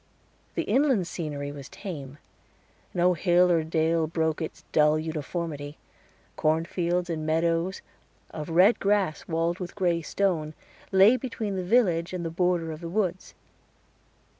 The inland scenery was tame; no hill or dale broke its dull uniformity. Cornfields and meadows of red grass walled with gray stone, lay between the village and the border of the woods.